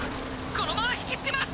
このまま引きつけます！